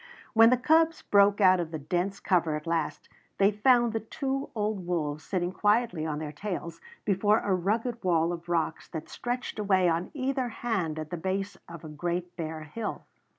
When the cubs broke out of the dense cover at last they found the two old wolves sitting quietly on their tails before a rugged wall of rocks that stretched away on either hand at the base of a great bare hill.